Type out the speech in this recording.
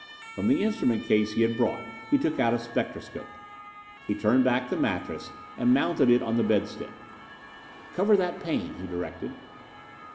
From the instrument case he had brought he took out a spectroscope. He turned back the mattress and mounted it on the bedstead. "Cover that pane," he directed.